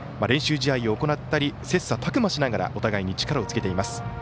練習試合を行ったり切さたく磨しながらお互いに力をつけています。